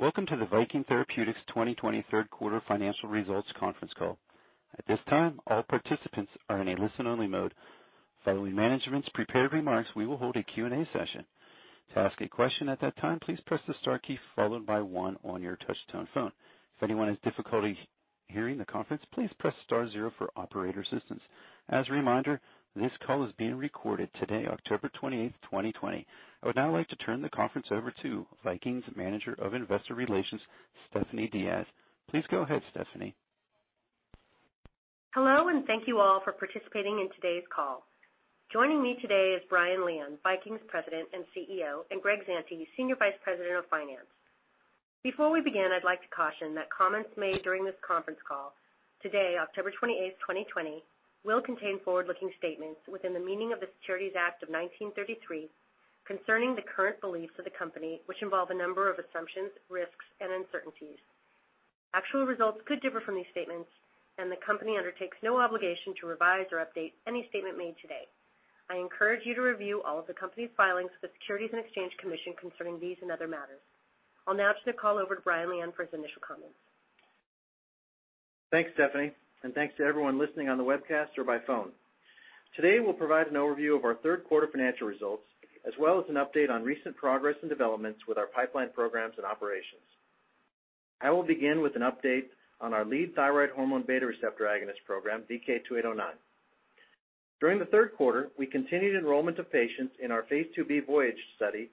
Welcome to the Viking Therapeutics 2020 third quarter financial results conference call. I would now like to turn the conference over to Viking's Manager of Investor Relations, Stephanie Diaz. Please go ahead, Stephanie. Hello, and thank you all for participating in today's call. Joining me today is Brian Lian, Viking's President and CEO, and Greg Zante, Senior Vice President of Finance. Before we begin, I'd like to caution that comments made during this conference call today, October 28th, 2020, will contain forward-looking statements within the meaning of the Securities Act of 1933 concerning the current beliefs of the company, which involve a number of assumptions, risks, and uncertainties. Actual results could differ from these statements, and the company undertakes no obligation to revise or update any statement made today. I encourage you to review all of the company's filings with the Securities and Exchange Commission concerning these and other matters. I'll now turn the call over to Brian Lian for his initial comments. Thanks, Stephanie, and thanks to everyone listening on the webcast or by phone. Today, we'll provide an overview of our third quarter financial results, as well as an update on recent progress and developments with our pipeline programs and operations. I will begin with an update on our lead thyroid hormone beta receptor agonist program, VK2809. During the third quarter, we continued enrollment of patients in our Phase IIb VOYAGE study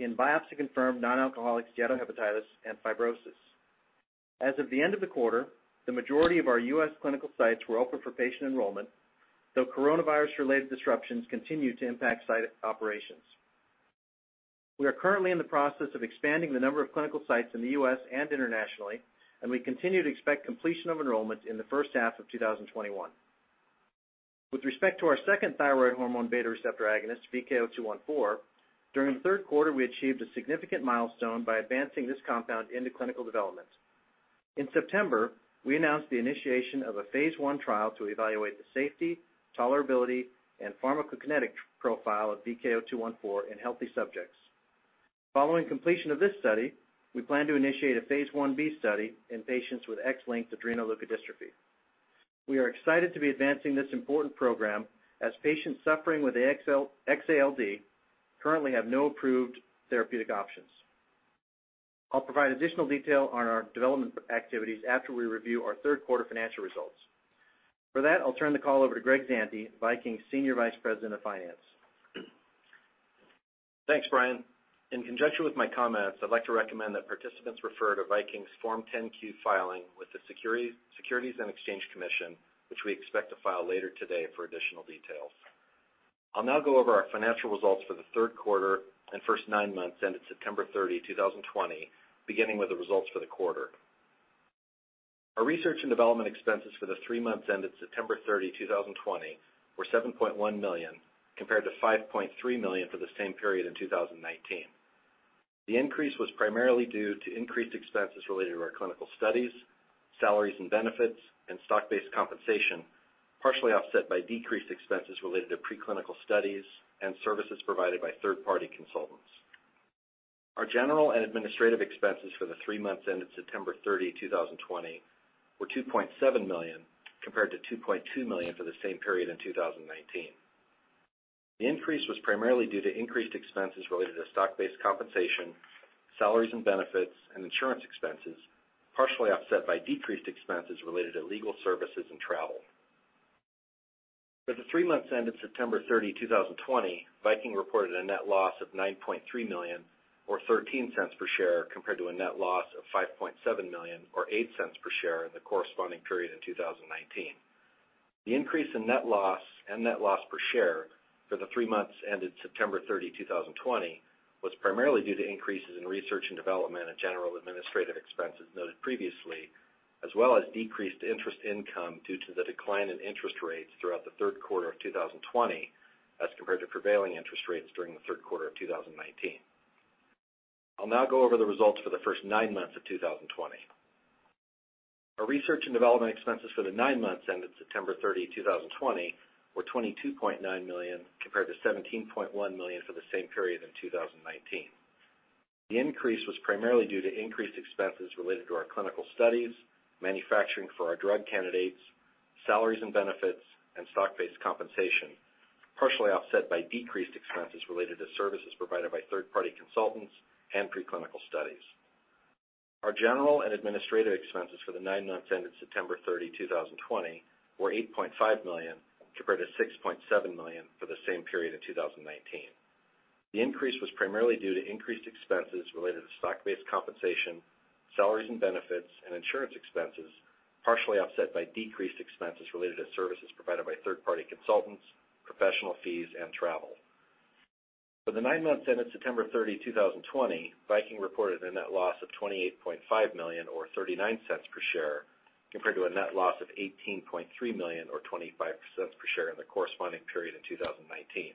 in biopsy-confirmed non-alcoholic steatohepatitis and fibrosis. As of the end of the quarter, the majority of our U.S. clinical sites were open for patient enrollment, though coronavirus-related disruptions continue to impact site operations. We are currently in the process of expanding the number of clinical sites in the U.S. and internationally, and we continue to expect completion of enrollment in the first half of 2021. With respect to our second thyroid hormone receptor beta agonist, VK0214, during the third quarter, we achieved a significant milestone by advancing this compound into clinical development. In September, we announced the initiation of a phase I trial to evaluate the safety, tolerability, and pharmacokinetic profile of VK0214 in healthy subjects. Following completion of this study, we plan to initiate a phase I-B study in patients with X-linked adrenoleukodystrophy. We are excited to be advancing this important program as patients suffering with XALD currently have no approved therapeutic options. I'll provide additional detail on our development activities after we review our third quarter financial results. For that, I'll turn the call over to Greg Zante, Viking's Senior Vice President of Finance. Thanks, Brian. In conjunction with my comments, I'd like to recommend that participants refer to Viking's Form 10-Q filing with the Securities and Exchange Commission, which we expect to file later today for additional details. I'll now go over our financial results for the third quarter and first nine months ended September 30, 2020, beginning with the results for the quarter. Our research and development expenses for the three months ended September 30, 2020, were $7.1 million, compared to $5.3 million for the same period in 2019. The increase was primarily due to increased expenses related to our clinical studies, salaries and benefits, and stock-based compensation, partially offset by decreased expenses related to preclinical studies and services provided by third-party consultants. Our general and administrative expenses for the three months ended September 30, 2020, were $2.7 million, compared to $2.2 million for the same period in 2019. The increase was primarily due to increased expenses related to stock-based compensation, salaries and benefits, and insurance expenses, partially offset by decreased expenses related to legal services and travel. For the three months ended September 30, 2020, Viking reported a net loss of $9.3 million or $0.13 per share compared to a net loss of $5.7 million or $0.08 per share in the corresponding period in 2019. The increase in net loss and net loss per share for the three months ended September 30, 2020, was primarily due to increases in research and development and general administrative expenses noted previously, as well as decreased interest income due to the decline in interest rates throughout the third quarter of 2020 as compared to prevailing interest rates during the third quarter of 2019. I'll now go over the results for the first nine months of 2020. Our research and development expenses for the nine months ended September 30, 2020, were $22.9 million compared to $17.1 million for the same period in 2019. The increase was primarily due to increased expenses related to our clinical studies, manufacturing for our drug candidates, salaries and benefits, and stock-based compensation, partially offset by decreased expenses related to services provided by third-party consultants and preclinical studies. Our general and administrative expenses for the nine months ended September 30, 2020, were $8.5 million compared to $6.7 million for the same period in 2019. The increase was primarily due to increased expenses related to stock-based compensation, salaries and benefits, and insurance expenses, partially offset by decreased expenses related to services provided by third-party consultants, professional fees, and travel. For the nine months ended September 30, 2020, Viking reported a net loss of $28.5 million, or $0.39 per share, compared to a net loss of $18.3 million, or $0.25 per share, in the corresponding period in 2019.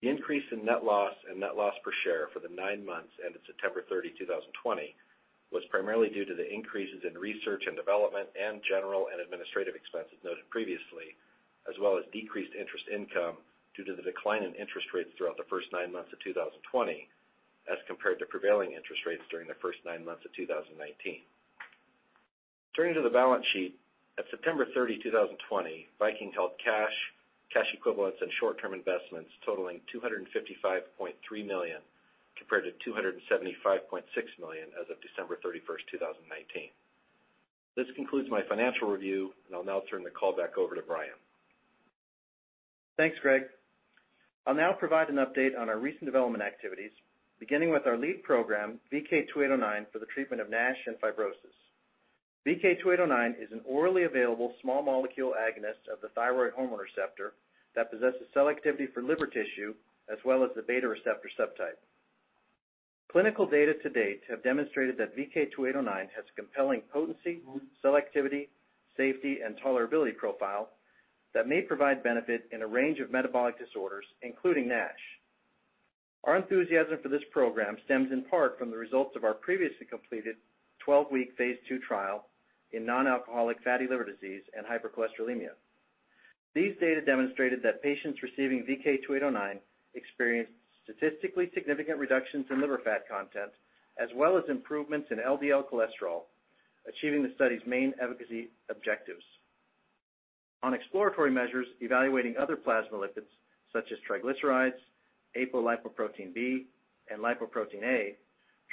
The increase in net loss and net loss per share for the nine months ended September 30, 2020 was primarily due to the increases in research and development and general and administrative expenses noted previously, as well as decreased interest income due to the decline in interest rates throughout the first nine months of 2020 as compared to prevailing interest rates during the first nine months of 2019. Turning to the balance sheet, at September 30, 2020, Viking held cash equivalents and short-term investments totaling $255.3 million, compared to $275.6 million as of December 31, 2019. This concludes my financial review, and I'll now turn the call back over to Brian. Thanks, Greg. I'll now provide an update on our recent development activities, beginning with our lead program, VK2809, for the treatment of NASH and fibrosis. VK2809 is an orally available small molecule agonist of the thyroid hormone receptor that possesses cell activity for liver tissue as well as the beta receptor subtype. Clinical data to date have demonstrated that VK2809 has compelling potency, selectivity, safety, and tolerability profile that may provide benefit in a range of metabolic disorders, including NASH. Our enthusiasm for this program stems in part from the results of our previously completed 12-week phase II trial in non-alcoholic fatty liver disease and hypercholesterolemia. These data demonstrated that patients receiving VK2809 experienced statistically significant reductions in liver fat content, as well as improvements in LDL cholesterol, achieving the study's main efficacy objectives. On exploratory measures evaluating other plasma lipids such as triglycerides, apolipoprotein B, and Lp(a),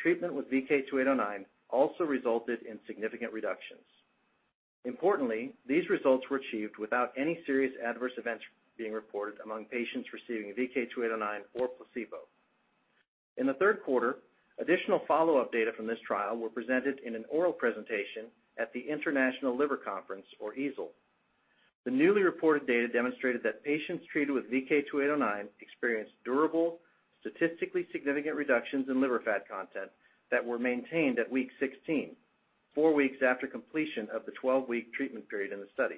treatment with VK2809 also resulted in significant reductions. Importantly, these results were achieved without any serious adverse events being reported among patients receiving VK2809 or placebo. In the third quarter, additional follow-up data from this trial were presented in an oral presentation at the International Liver Conference, or EASL. The newly reported data demonstrated that patients treated with VK2809 experienced durable, statistically significant reductions in liver fat content that were maintained at week 16, four weeks after completion of the 12-week treatment period in the study.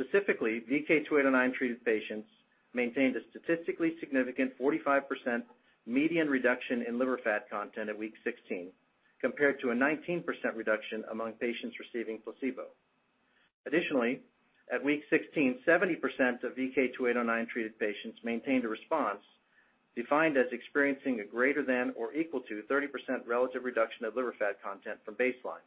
Specifically, VK2809-treated patients maintained a statistically significant 45% median reduction in liver fat content at week 16, compared to a 19% reduction among patients receiving placebo. Additionally, at week 16, 70% of VK2809-treated patients maintained a response defined as experiencing a greater than or equal to 30% relative reduction of liver fat content from baseline.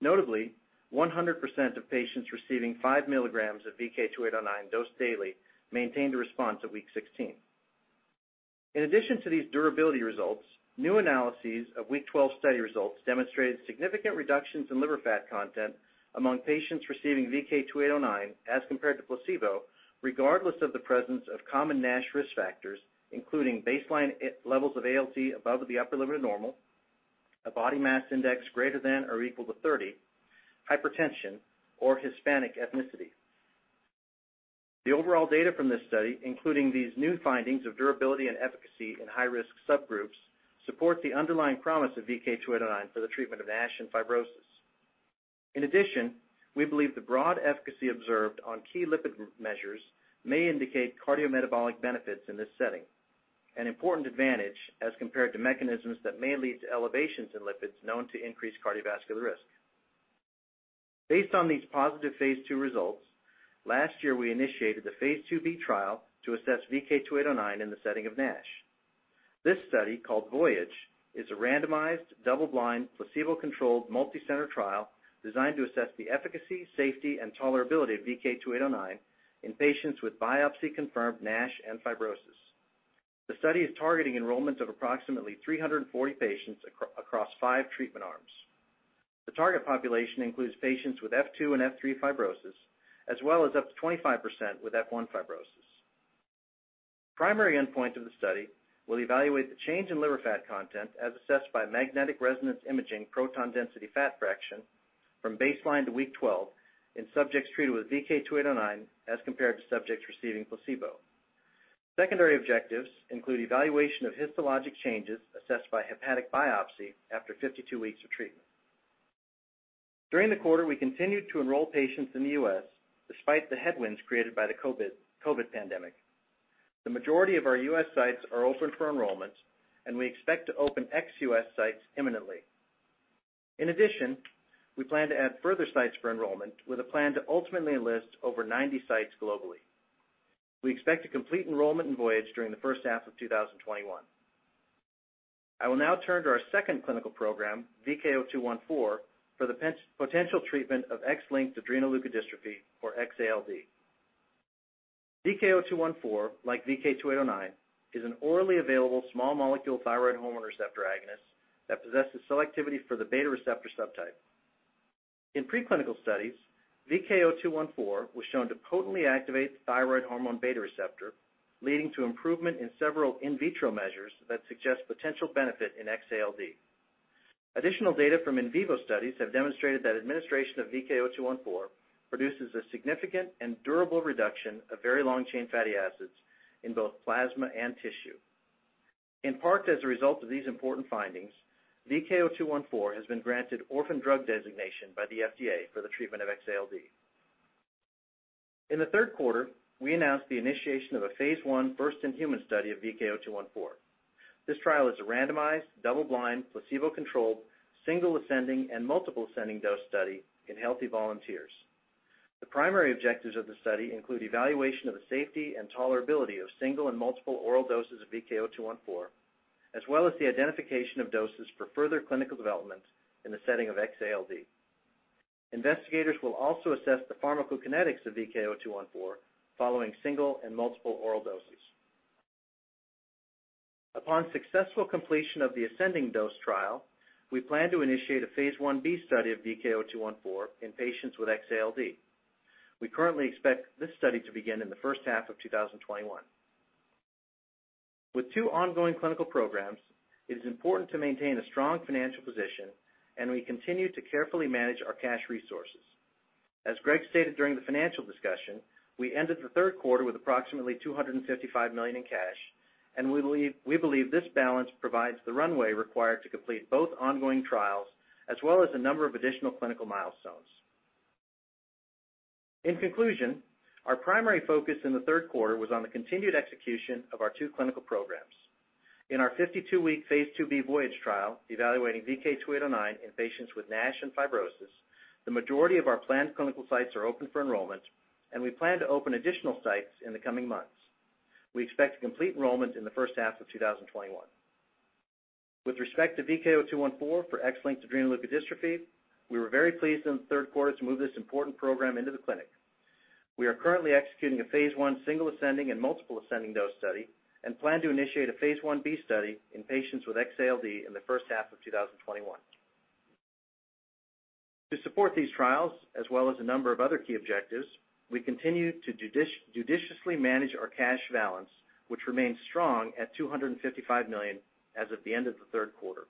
Notably, 100% of patients receiving five milligrams of VK2809 dosed daily maintained a response at week 16. In addition to these durability results, new analyses of week 12 study results demonstrated significant reductions in liver fat content among patients receiving VK2809 as compared to placebo, regardless of the presence of common NASH risk factors, including baseline levels of ALT above the upper limit of normal, a body mass index greater than or equal to 30, hypertension, or Hispanic ethnicity. The overall data from this study, including these new findings of durability and efficacy in high-risk subgroups, support the underlying promise of VK2809 for the treatment of NASH and fibrosis. In addition, we believe the broad efficacy observed on key lipid measures may indicate cardiometabolic benefits in this setting, an important advantage as compared to mechanisms that may lead to elevations in lipids known to increase cardiovascular risk. Based on these positive phase II results, last year, we initiated the phase II-B trial to assess VK2809 in the setting of NASH. This study, called VOYAGE, is a randomized, double-blind, placebo-controlled, multi-center trial designed to assess the efficacy, safety, and tolerability of VK2809 in patients with biopsy-confirmed NASH and fibrosis. The study is targeting enrollment of approximately 340 patients across five treatment arms. The target population includes patients with F2 and F3 fibrosis, as well as up to 25% with F1 fibrosis. Primary endpoint of the study will evaluate the change in liver fat content as assessed by magnetic resonance imaging proton density fat fraction from baseline to week 12 in subjects treated with VK2809 as compared to subjects receiving placebo. Secondary objectives include evaluation of histologic changes assessed by hepatic biopsy after 52 weeks of treatment. During the quarter, we continued to enroll patients in the U.S. despite the headwinds created by the COVID pandemic. The majority of our U.S. sites are open for enrollment, and we expect to open ex-U.S. sites imminently. In addition, we plan to add further sites for enrollment with a plan to ultimately enlist over 90 sites globally. We expect to complete enrollment in VOYAGE during the first half of 2021. I will now turn to our second clinical program, VK0214, for the potential treatment of X-linked adrenoleukodystrophy, or XALD. VK0214, like VK2809, is an orally available small molecule thyroid hormone receptor agonist that possesses selectivity for the beta receptor subtype. In pre-clinical studies, VK0214 was shown to potently activate the thyroid hormone beta receptor, leading to improvement in several in vitro measures that suggest potential benefit in XALD. Additional data from in vivo studies have demonstrated that administration of VK0214 produces a significant and durable reduction of very long-chain fatty acids in both plasma and tissue. In part, as a result of these important findings, VK0214 has been granted orphan drug designation by the FDA for the treatment of XALD. In the third quarter, we announced the initiation of a phase I first-in-human study of VK0214. This trial is a randomized, double-blind, placebo-controlled, single ascending and multiple ascending dose study in healthy volunteers. The primary objectives of the study include evaluation of the safety and tolerability of single and multiple oral doses of VK0214, as well as the identification of doses for further clinical development in the setting of XALD. Investigators will also assess the pharmacokinetics of VK0214 following single and multiple oral doses. Upon successful completion of the ascending dose trial, we plan to initiate a phase I-B study of VK0214 in patients with XALD. We currently expect this study to begin in the first half of 2021. With two ongoing clinical programs, it is important to maintain a strong financial position, and we continue to carefully manage our cash resources. As Greg stated during the financial discussion, we ended the third quarter with approximately $255 million in cash, and we believe this balance provides the runway required to complete both ongoing trials, as well as a number of additional clinical milestones. In conclusion, our primary focus in the third quarter was on the continued execution of our two clinical programs. In our 52-week phase II-B VOYAGE trial evaluating VK2809 in patients with NASH and fibrosis, the majority of our planned clinical sites are open for enrollment, and we plan to open additional sites in the coming months. We expect to complete enrollment in the first half of 2021. With respect to VK0214 for X-linked adrenoleukodystrophy, we were very pleased in the third quarter to move this important program into the clinic. We are currently executing a phase I single ascending and multiple ascending dose study and plan to initiate a phase I-B study in patients with XALD in the first half of 2021. To support these trials, as well as a number of other key objectives, we continue to judiciously manage our cash balance, which remains strong at $255 million as of the end of the third quarter.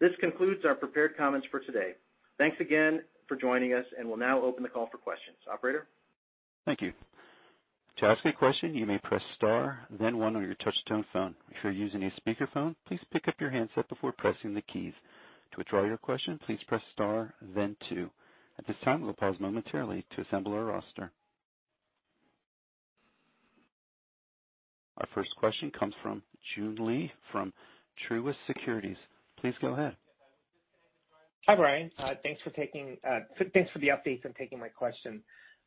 This concludes our prepared comments for today. Thanks again for joining us, and we'll now open the call for questions. Operator? Thank you. Our first question comes from Joon Lee from Truist Securities. Please go ahead. Hi, Brian. Thanks for the updates and taking my question.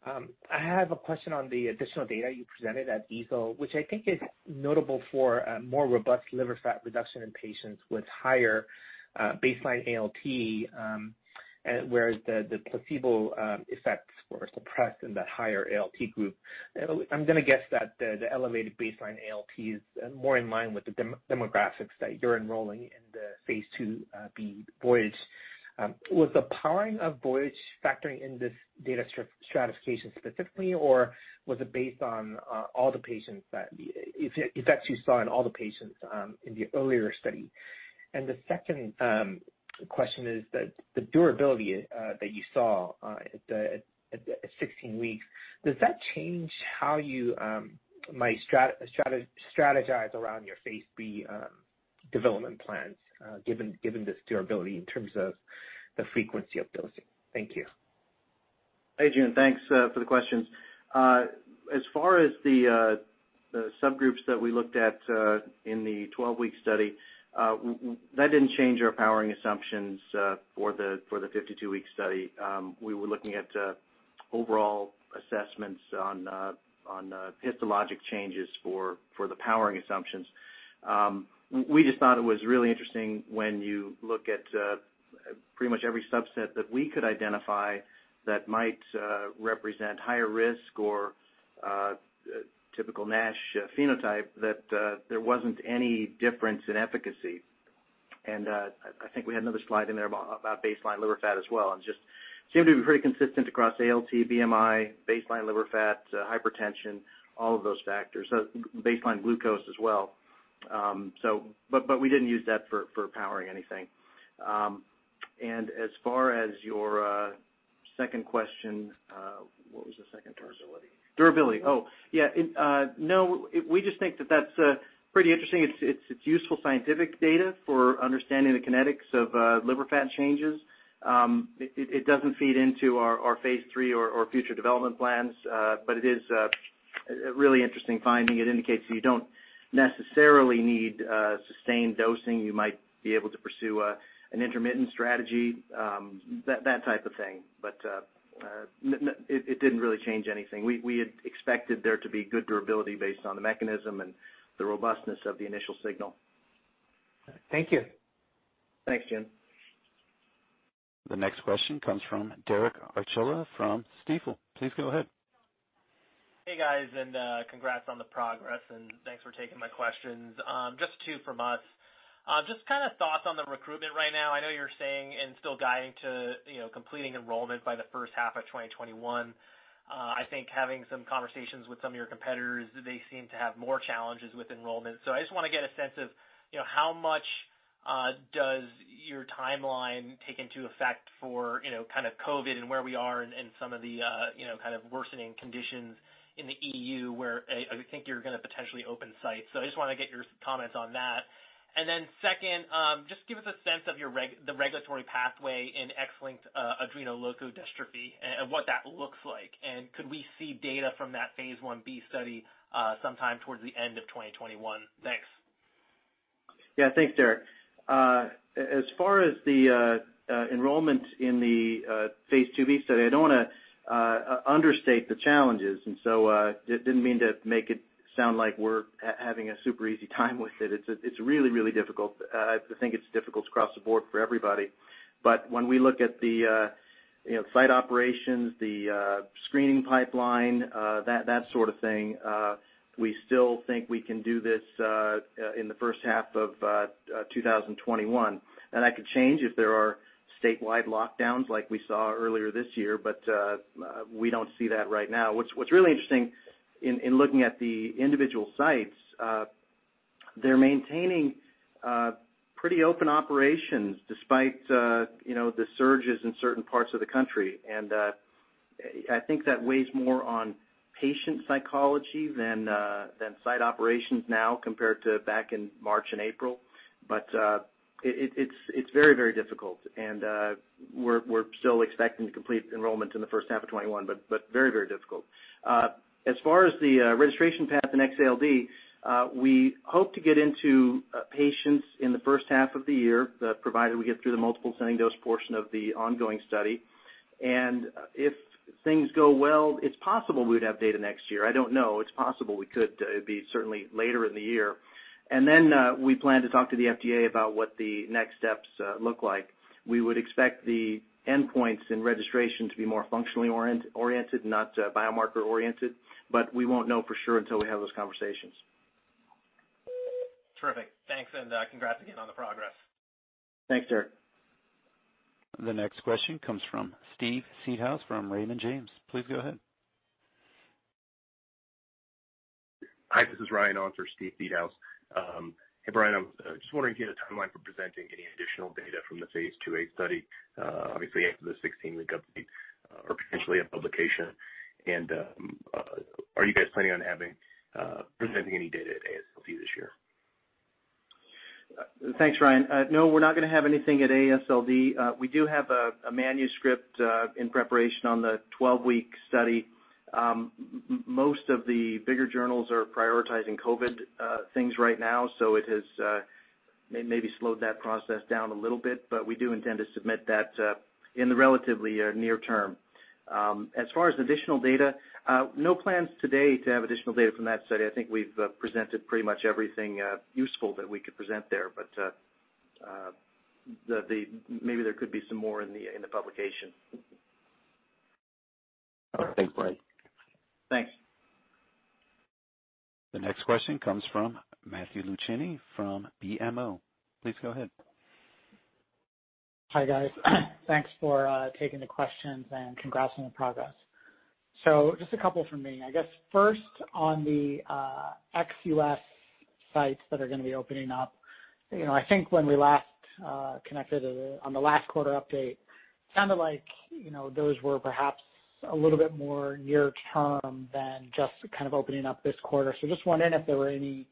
I have a question on the additional data you presented at EASL, which I think is notable for more robust liver fat reduction in patients with higher baseline ALT, whereas the placebo effects were suppressed in that higher ALT group. I'm going to guess that the elevated baseline ALT is more in line with the demographics that you're enrolling in the phase II-B VOYAGE. Was the powering of VOYAGE factoring in this data stratification specifically, or was it based on effects you saw in all the patients in the earlier study? The second question is the durability that you saw at the 16 weeks, does that change how you might strategize around your phase II-B development plans, given this durability in terms of the frequency of dosing? Thank you. Hey, Joon. Thanks for the questions. As far as the subgroups that we looked at in the 12-week study, that didn't change our powering assumptions for the 52-week study. We were looking at overall assessments on histologic changes for the powering assumptions. We just thought it was really interesting when you look at pretty much every subset that we could identify that might represent higher risk or a typical NASH phenotype, that there wasn't any difference in efficacy. I think we had another slide in there about baseline liver fat as well. Just seemed to be pretty consistent across ALT, BMI, baseline liver fat, hypertension, all of those factors. Baseline glucose as well. We didn't use that for powering anything. As far as your second question, what was the second question? Durability. Durability. Yeah. We just think that that's pretty interesting. It's useful scientific data for understanding the kinetics of liver fat changes. It doesn't feed into our phase III or future development plans. It is a really interesting finding. It indicates that you don't necessarily need sustained dosing. You might be able to pursue an intermittent strategy, that type of thing. It didn't really change anything. We had expected there to be good durability based on the mechanism and the robustness of the initial signal. Thank you. Thanks, Joon. The next question comes from Derek Ochoa from Stifel. Please go ahead. Hey, guys, congrats on the progress, and thanks for taking my questions. Just two from us. Just kind of thoughts on the recruitment right now. I know you're saying and still guiding to completing enrollment by the first half of 2021. I think having some conversations with some of your competitors, they seem to have more challenges with enrollment. I just want to get a sense of how much does your timeline take into effect for kind of COVID and where we are and some of the kind of worsening conditions in the EU, where I think you're going to potentially open sites. I just want to get your comments on that. Second, just give us a sense of the regulatory pathway in X-linked adrenoleukodystrophy and what that looks like? Could we see data from that phase I-B study sometime towards the end of 2021? Thanks. Yeah. Thanks, Derek. As far as the enrollment in the phase II-B study, I don't want to understate the challenges, and so didn't mean to make it sound like we're having a super easy time with it. It's really, really difficult. I think it's difficult across the board for everybody. When we look at the site operations, the screening pipeline, that sort of thing, we still think we can do this in the first half of 2021. That could change if there are statewide lockdowns like we saw earlier this year. We don't see that right now. What's really interesting in looking at the individual sites, they're maintaining pretty open operations despite the surges in certain parts of the country. I think that weighs more on patient psychology than site operations now compared to back in March and April. It's very, very difficult. We're still expecting to complete enrollment in the first half of 2021, but very difficult. As far as the registration path in XALD, we hope to get into patients in the first half of the year, provided we get through the multiple ascending dose portion of the ongoing study. If things go well, it's possible we'd have data next year. I don't know. It's possible we could. It'd be certainly later in the year. We plan to talk to the FDA about what the next steps look like. We would expect the endpoints and registration to be more functionally oriented, not biomarker oriented, but we won't know for sure until we have those conversations. Terrific. Thanks. Congrats again on the progress. Thanks, Derek. The next question comes from Steve Seedhouse from Raymond James. Please go ahead. Hi. This is Ryan on for Steve Seedhouse. Hey, Brian. I'm just wondering, do you have a timeline for presenting any additional data from the phase IIa study, obviously after the 16-week update or potentially a publication? Are you guys planning on presenting any data at AASLD this year? Thanks, Ryan. No, we're not going to have anything at AASLD. We do have a manuscript in preparation on the 12-week study. Most of the bigger journals are prioritizing COVID things right now, so it has maybe slowed that process down a little bit, but we do intend to submit that in the relatively near term. As far as additional data, no plans to date to have additional data from that study. I think we've presented pretty much everything useful that we could present there. Maybe there could be some more in the publication. Thanks, Brian. Thanks. The next question comes from Matthew Luchini from BMO. Please go ahead. Hi, guys. Thanks for taking the questions, and congrats on the progress. Just a couple from me. I guess first on the ex-U.S. sites that are going to be opening up. I think when we last connected on the last quarter update, it sounded like those were perhaps a little bit more near term than just kind of opening up this quarter. Just wondering if there were any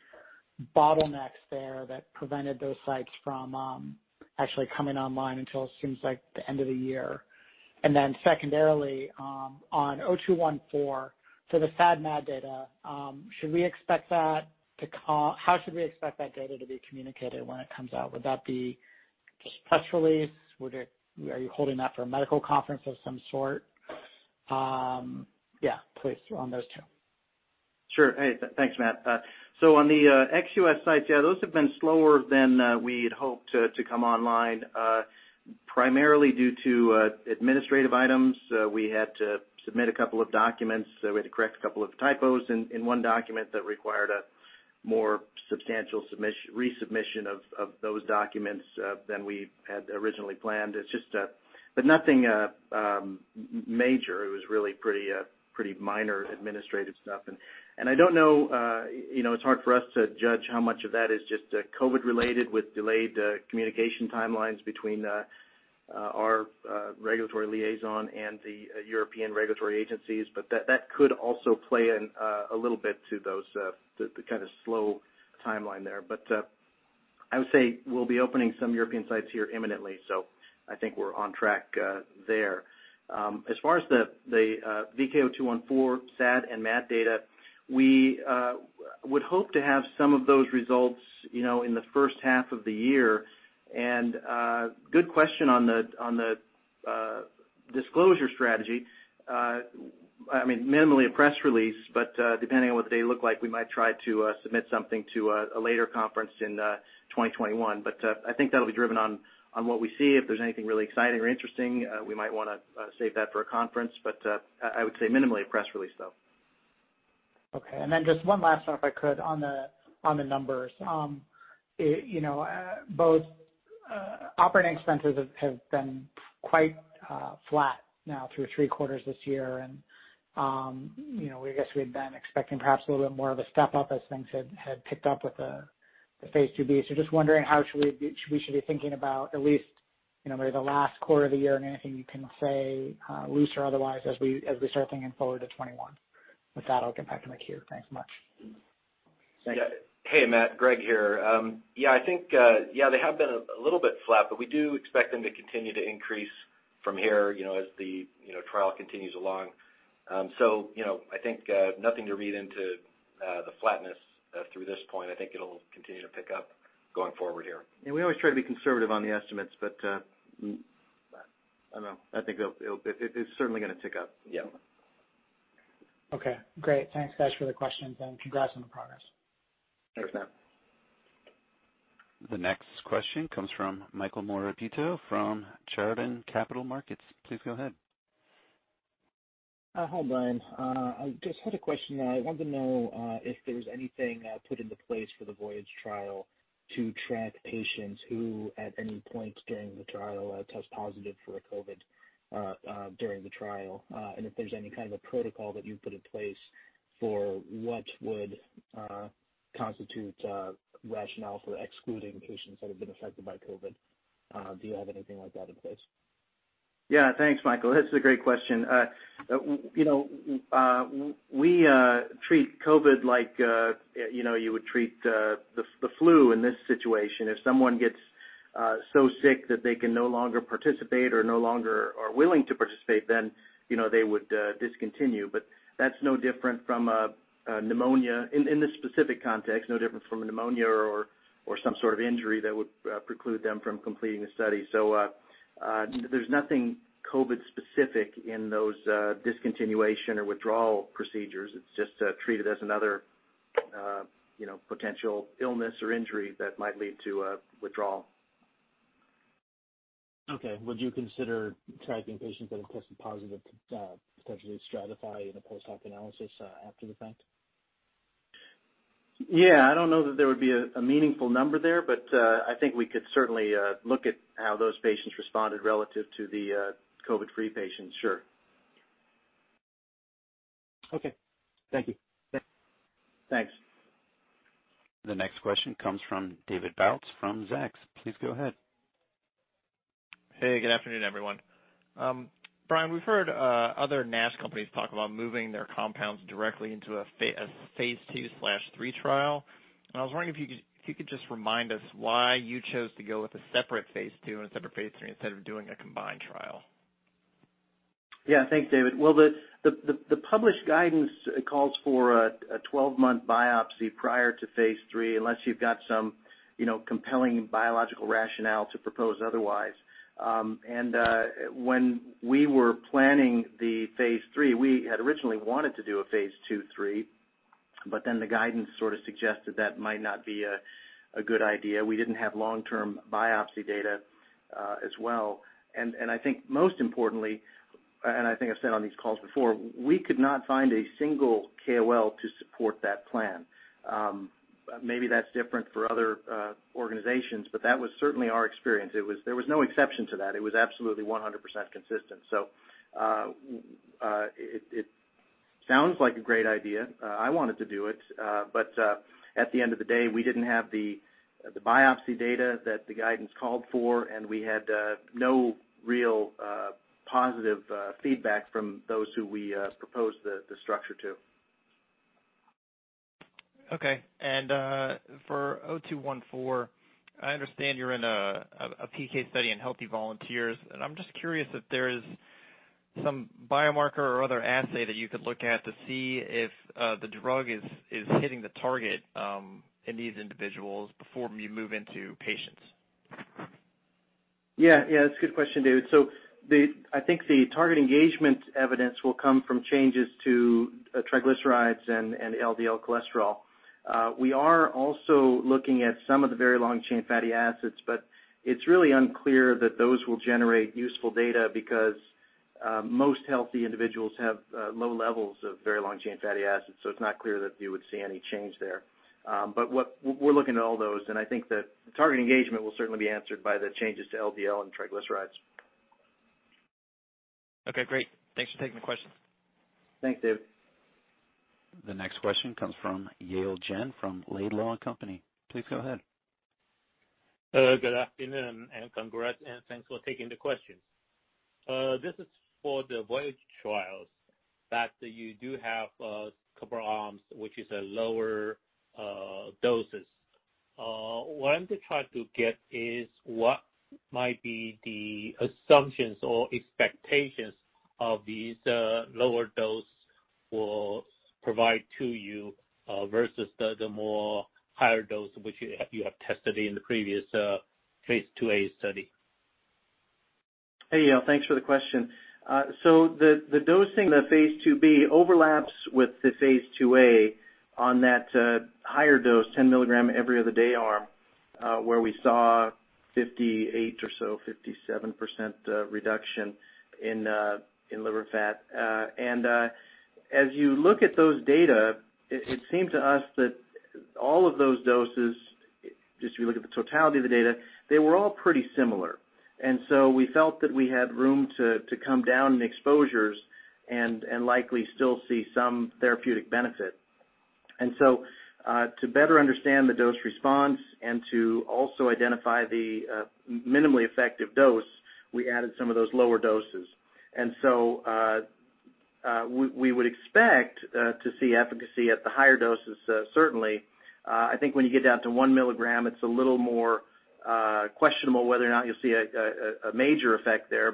bottlenecks there that prevented those sites from actually coming online until it seems like the end of the year. Then secondarily, on VK0214, for the SAD/MAD data, how should we expect that data to be communicated when it comes out? Would that be just press release? Are you holding that for a medical conference of some sort? Yeah, please, on those two. Sure. Hey, thanks, Matt. On the ex-U.S. sites, yeah, those have been slower than we'd hoped to come online primarily due to administrative items. We had to submit a couple of documents, we had to correct a couple of typos in one document that required a more substantial resubmission of those documents than we had originally planned. Nothing major. It was really pretty minor administrative stuff. I don't know, it's hard for us to judge how much of that is just COVID related with delayed communication timelines between our regulatory liaison and the European regulatory agencies. That could also play in a little bit to the kind of slow timeline there. I would say we'll be opening some European sites here imminently. I think we're on track there. As far as the VK0214 SAD and MAD data, we would hope to have some of those results in the first half of the year. Good question on the disclosure strategy. I mean, minimally a press release, depending on what the data look like, we might try to submit something to a later conference in 2021. I think that'll be driven on what we see. If there's anything really exciting or interesting, we might want to save that for a conference. I would say minimally a press release, though. Okay, just one last one if I could on the numbers. Both operating expenses have been quite flat now through three quarters this year and I guess we had been expecting perhaps a little bit more of a step up as things had picked up with the phase II-B. Just wondering how we should be thinking about at least you know, maybe the last quarter of the year and anything you can say, loose or otherwise as we start thinking forward to 2021. With that, I'll get back to my queue. Thanks so much. Hey, Matt. Greg here. Yeah, I think, they have been a little bit flat, but we do expect them to continue to increase from here, as the trial continues along. I think, nothing to read into the flatness through this point. I think it'll continue to pick up going forward here. We always try to be conservative on the estimates, but I don't know. I think it's certainly going to tick up. Yeah. Okay, great. Thanks guys for the questions and congrats on the progress. Thanks, Matt. The next question comes from Michael Morabito from Chardan Capital Markets. Please go ahead. Hi, Brian. I just had a question. I wanted to know if there's anything put into place for the VOYAGE trial to track patients who, at any point during the trial test positive for COVID during the trial, and if there's any kind of a protocol that you've put in place for what would constitute a rationale for excluding patients that have been affected by COVID. Do you have anything like that in place? Thanks, Michael. That's a great question. We treat COVID like you would treat the flu in this situation. If someone gets so sick that they can no longer participate or no longer are willing to participate, then they would discontinue, but that's no different from a pneumonia, in this specific context, no different from a pneumonia or some sort of injury that would preclude them from completing the study. There's nothing COVID specific in those discontinuation or withdrawal procedures. It's just treated as another potential illness or injury that might lead to a withdrawal. Okay. Would you consider tracking patients that have tested positive to potentially stratify in a post-hoc analysis after the fact? Yeah. I don't know that there would be a meaningful number there, but I think we could certainly look at how those patients responded relative to the COVID-free patients, sure. Okay. Thank you. Thanks. The next question comes from David Bautz from Zacks. Please go ahead. Hey, good afternoon, everyone. Brian, we've heard other NASH companies talk about moving their compounds directly into a phase II/III trial. I was wondering if you could just remind us why you chose to go with a separate phase II and a separate phase III instead of doing a combined trial. Yeah. Thanks, David. The published guidance calls for a 12-month biopsy prior to phase III, unless you've got some compelling biological rationale to propose otherwise. When we were planning the phase III, we had originally wanted to do a phase II/III, the guidance sort of suggested that might not be a good idea. We didn't have long-term biopsy data as well. I think, most importantly, I think I've said on these calls before, we could not find a single KOL to support that plan. Maybe that's different for other organizations, that was certainly our experience. There was no exception to that. It was absolutely 100% consistent. It sounds like a great idea. I wanted to do it. At the end of the day, we didn't have the biopsy data that the guidance called for, and we had no real positive feedback from those who we proposed the structure to. Okay. For 0214, I understand you're in a PK study in healthy volunteers, and I'm just curious if there is some biomarker or other assay that you could look at to see if the drug is hitting the target in these individuals before you move into patients. Yeah. That's a good question, David. I think the target engagement evidence will come from changes to triglycerides and LDL cholesterol. We are also looking at some of the very long chain fatty acids, it's really unclear that those will generate useful data because most healthy individuals have low levels of very long chain fatty acids, so it's not clear that you would see any change there. We're looking at all those, and I think that target engagement will certainly be answered by the changes to LDL and triglycerides. Okay, great. Thanks for taking the question. Thanks, David. The next question comes from Yale Jen from Laidlaw & Company. Please go ahead. Good afternoon, and congrats, and thanks for taking the question. This is for the VOYAGE trials that you do have a couple arms, which is lower doses. What I'm trying to get is what might be the assumptions or expectations of these lower dose will provide to you versus the more higher dose which you have tested in the previous phase II-A study. Hey, Yale. Thanks for the question. The dosing in the phase IIb overlaps with the phase II-A on that higher dose, 10 mg every other day arm, where we saw 58% or so, 57% reduction in liver fat. As you look at those data, it seemed to us that all of those doses, just if you look at the totality of the data, they were all pretty similar. We felt that we had room to come down in the exposures and likely still see some therapeutic benefit. To better understand the dose response and to also identify the minimally effective dose, we added some of those lower doses. We would expect to see efficacy at the higher doses certainly. I think when you get down to one milligram, it's a little more questionable whether or not you'll see a major effect there.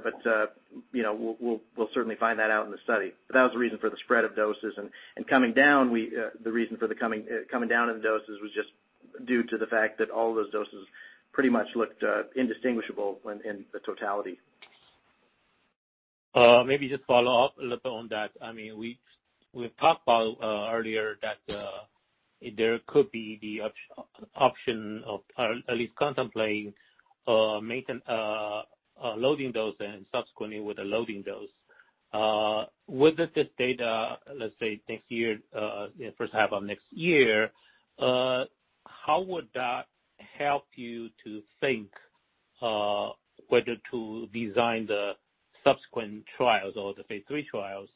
We'll certainly find that out in the study. That was the reason for the spread of doses. Coming down, the reason for the coming down of the doses was just due to the fact that all those doses pretty much looked indistinguishable in the totality. Maybe just follow up a little on that. We've talked about earlier that there could be the option of at least contemplating loading dose and subsequently with a loading dose. With this data, let's say first half of next year, how would that help you to think whether to design the subsequent trials or the phase III trials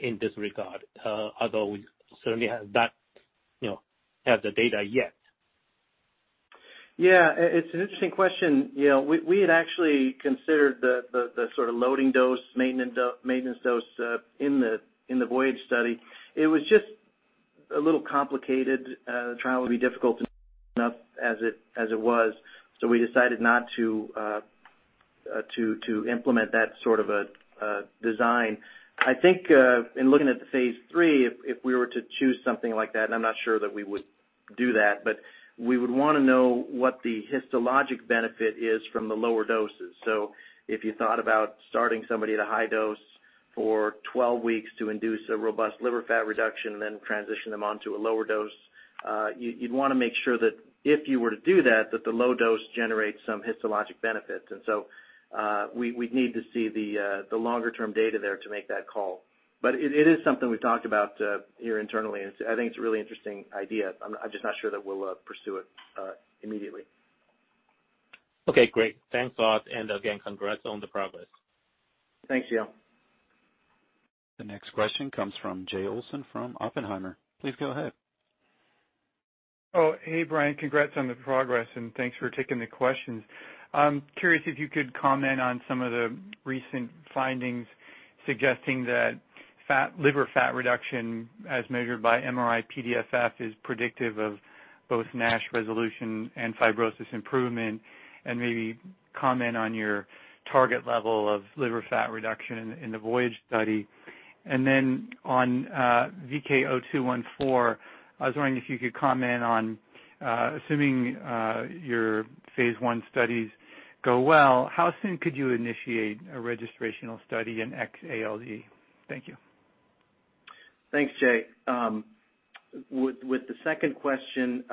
in this regard? Although we certainly have not had the data yet. Yeah, it's an interesting question. We had actually considered the sort of loading dose, maintenance dose in the VOYAGE study. It was just a little complicated. The trial would be difficult to as it was. We decided not to implement that sort of a design. I think in looking at the phase III, if we were to choose something like that, and I'm not sure that we would do that, but we would want to know what the histologic benefit is from the lower doses. If you thought about starting somebody at a high dose for 12 weeks to induce a robust liver fat reduction and then transition them onto a lower dose you'd want to make sure that if you were to do that the low dose generates some histologic benefits. We'd need to see the longer term data there to make that call. It is something we've talked about here internally, and I think it's a really interesting idea. I'm just not sure that we'll pursue it immediately. Okay, great. Thanks a lot, and again, congrats on the progress. Thanks, Yale. The next question comes from Jay Olson from Oppenheimer. Please go ahead. Hey, Brian. Congrats on the progress and thanks for taking the questions. I'm curious if you could comment on some of the recent findings suggesting that liver fat reduction as measured by MRI-PDFF is predictive of both NASH resolution and fibrosis improvement, and maybe comment on your target level of liver fat reduction in the VOYAGE study. On VK0214, I was wondering if you could comment on, assuming your phase I studies go well, how soon could you initiate a registrational study in XALD? Thank you. Thanks, Jay. With the second question,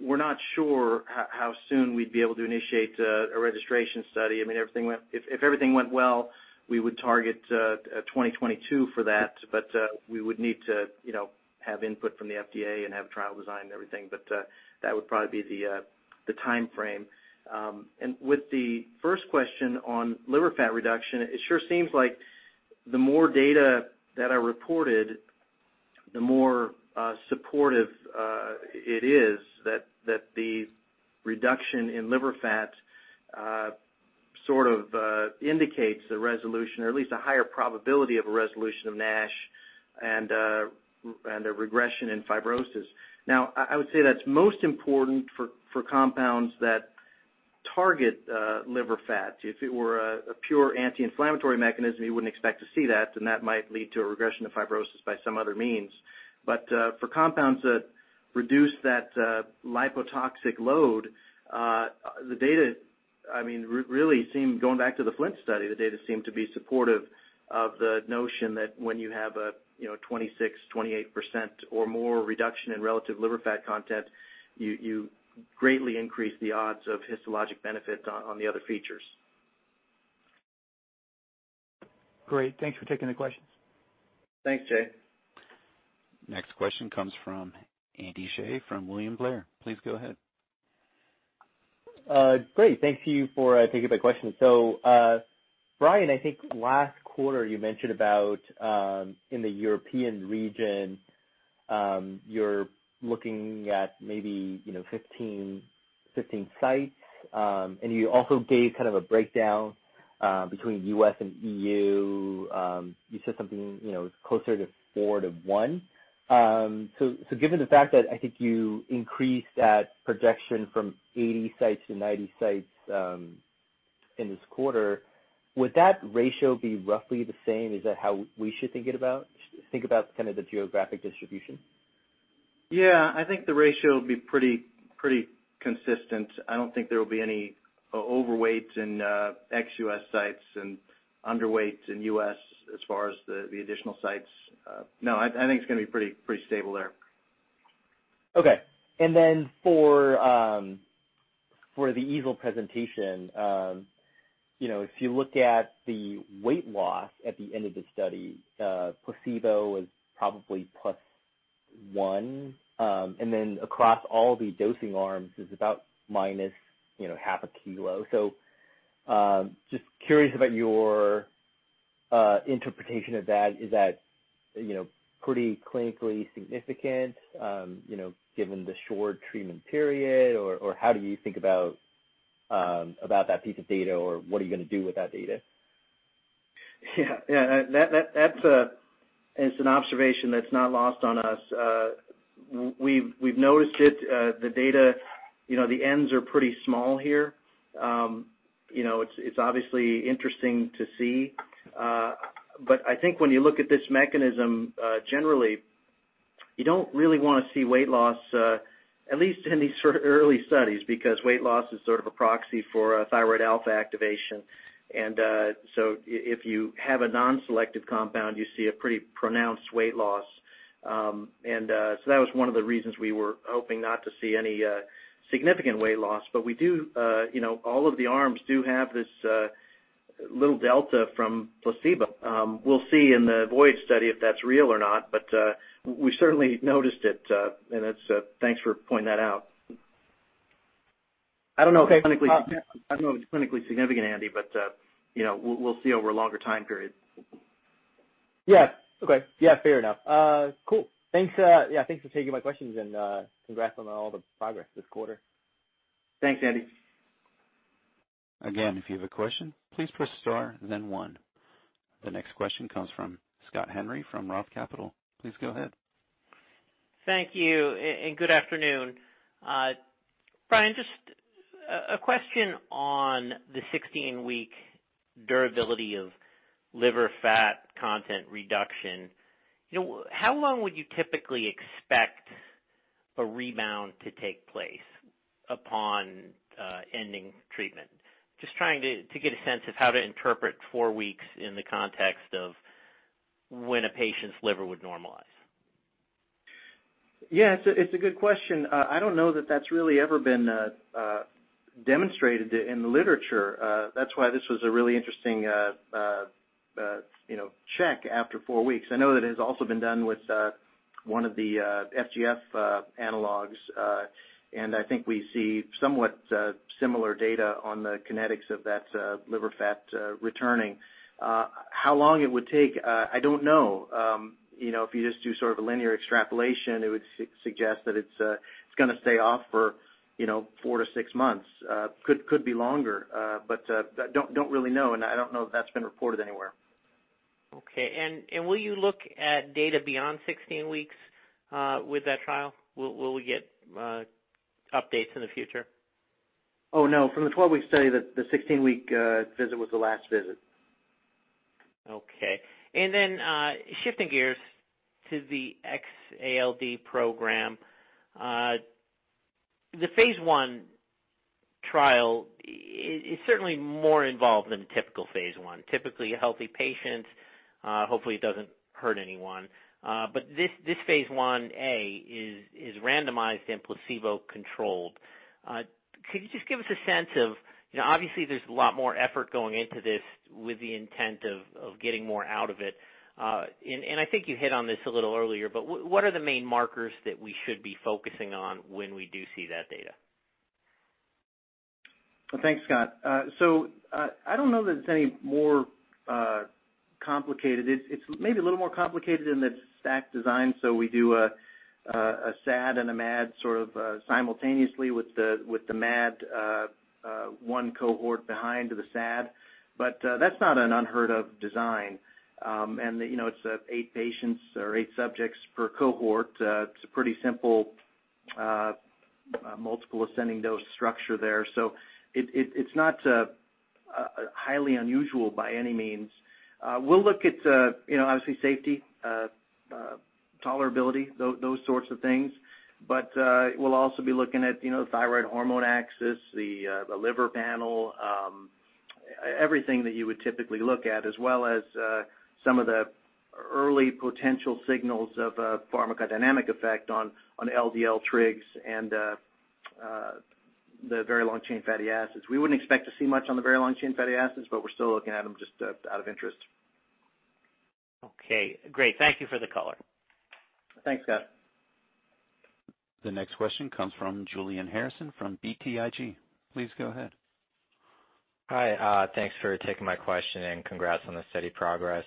we're not sure how soon we'd be able to initiate a registration study. If everything went well, we would target 2022 for that, but we would need to have input from the FDA and have a trial design and everything. That would probably be the timeframe. With the first question on liver fat reduction, it sure seems like the more data that are reported, the more supportive it is that the reduction in liver fat sort of indicates a resolution or at least a higher probability of a resolution of NASH and a regression in fibrosis. Now, I would say that's most important for compounds that target liver fat. If it were a pure anti-inflammatory mechanism, you wouldn't expect to see that, and that might lead to a regression of fibrosis by some other means. For compounds that reduce that lipotoxic load, the data really seem, going back to the FLINT study, to be supportive of the notion that when you have a 26%-28% or more reduction in relative liver fat content, you greatly increase the odds of histologic benefit on the other features. Great. Thanks for taking the questions. Thanks, Jay. Next question comes from Andy Hsieh from William Blair. Please go ahead. Great. Thank you for taking my question. Brian, I think last quarter you mentioned about in the European region you're looking at maybe 15 sites and you also gave kind of a breakdown between U.S. and E.U. You said something closer to four to one. Given the fact that I think you increased that projection from 80 sites to 90 sites in this quarter, would that ratio be roughly the same? Is that how we should think about kind of the geographic distribution? Yeah, I think the ratio would be pretty consistent. I don't think there will be any overweight in ex-U.S. sites and underweight in U.S. as far as the additional sites. No, I think it's going to be pretty stable there. Okay. For the EASL presentation, if you look at the weight loss at the end of the study, placebo was probably plus one and then across all the dosing arms is about minus half a kilo. Just curious about your interpretation of that. Is that pretty clinically significant given the short treatment period? How do you think about that piece of data, or what are you going to do with that data? Yeah. It's an observation that's not lost on us. We've noticed it. The data, the ends are pretty small here. It's obviously interesting to see. I think when you look at this mechanism, generally, you don't really want to see weight loss, at least in these sort of early studies, because weight loss is sort of a proxy for thyroid alpha activation. If you have a non-selective compound, you see a pretty pronounced weight loss. That was one of the reasons we were hoping not to see any significant weight loss. All of the arms do have this little delta from placebo. We'll see in the VOYAGE study if that's real or not, but we certainly noticed it. Thanks for pointing that out. Okay. I don't know if it's clinically significant, Andy, but we'll see over a longer time period. Yeah. Okay. Yeah, fair enough. Cool. Thanks for taking my questions, and congrats on all the progress this quarter. Thanks, Andy. If you have a question, please press star then one. The next question comes from Scott Henry from ROTH Capital. Please go ahead. Thank you. Good afternoon. Brian, just a question on the 16-week durability of liver fat content reduction. How long would you typically expect a rebound to take place upon ending treatment? Just trying to get a sense of how to interpret four weeks in the context of when a patient's liver would normalize. Yeah, it's a good question. I don't know that that's really ever been demonstrated in the literature. That's why this was a really interesting check after four weeks. I know that it has also been done with one of the FGF analogues, and I think we see somewhat similar data on the kinetics of that liver fat returning. How long it would take, I don't know. If you just do sort of a linear extrapolation, it would suggest that it's going to stay off for four-six months. Could be longer, but don't really know, and I don't know if that's been reported anywhere. Okay. Will you look at data beyond 16 weeks with that trial? Will we get updates in the future? Oh, no. From the 12-week study, the 16-week visit was the last visit. Okay. Then shifting gears to the XALD program. The phase I trial is certainly more involved than a typical phase I. Typically a healthy patient, hopefully it doesn't hurt anyone. This phase I-A is randomized and placebo-controlled. Could you just give us a sense of, obviously there's a lot more effort going into this with the intent of getting more out of it. I think you hit on this a little earlier, but what are the main markers that we should be focusing on when we do see that data? Thanks, Scott. I don't know that it's any more complicated. It's maybe a little more complicated in the stack design, so we do a SAD and a MAD sort of simultaneously with the MAD one cohort behind the SAD. That's not an unheard-of design. It's eight patients or eight subjects per cohort. It's a pretty simple multiple ascending dose structure there. It's not highly unusual by any means. We'll look at obviously safety, tolerability, those sorts of things. We'll also be looking at thyroid hormone axis, the liver panel, everything that you would typically look at, as well as some of the early potential signals of a pharmacodynamic effect on LDL trigs and the very long chain fatty acids. We wouldn't expect to see much on the very long chain fatty acids, but we're still looking at them just out of interest. Okay, great. Thank you for the color. Thanks, Scott. The next question comes from Julian Harrison from BTIG. Please go ahead. Hi. Thanks for taking my question, and congrats on the study progress.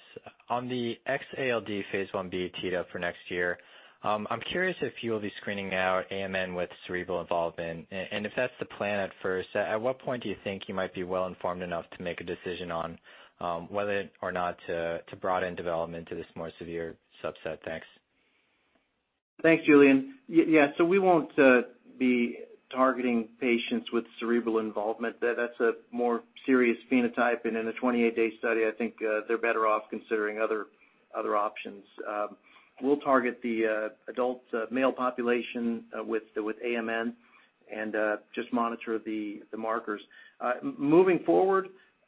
On the XALD phase I-B teed up for next year, I'm curious if you will be screening out AMN with cerebral involvement. If that's the plan at first, at what point do you think you might be well-informed enough to make a decision on whether or not to broaden development to this more severe subset? Thanks. Thanks, Julian. Yeah, we won't be targeting patients with cerebral involvement. That's a more serious phenotype, and in a 28-day study, I think they're better off considering other options. We'll target the adult male population with AMN and just monitor the markers. Moving forward,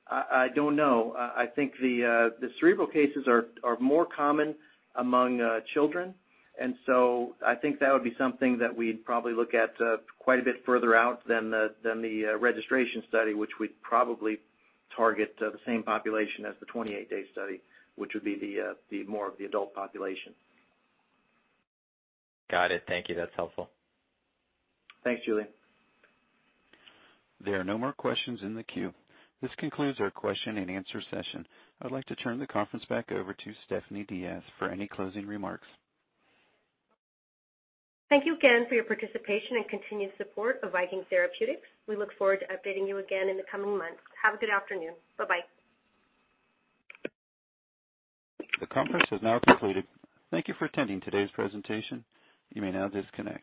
I don't know. I think the cerebral cases are more common among children, and so I think that would be something that we'd probably look at quite a bit further out than the registration study, which we'd probably target the same population as the 28-day study, which would be more of the adult population. Got it. Thank you. That's helpful. Thanks, Julian. There are no more questions in the queue. This concludes our question and answer session. I'd like to turn the conference back over to Stephanie Diaz for any closing remarks. Thank you again for your participation and continued support of Viking Therapeutics. We look forward to updating you again in the coming months. Have a good afternoon. Bye-bye. The conference has now concluded. Thank you for attending today's presentation. You may now disconnect.